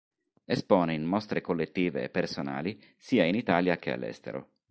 Espone in mostre collettive e personali sia in Italia che all'estero.